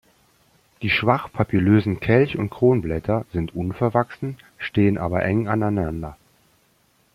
Die schwach papillösen Kelch- und Kronblätter sind unverwachsen, stehen aber eng aneinander.